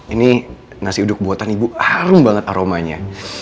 ini nasi uduk buatan ibu harum banget aromanya